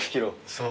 そう。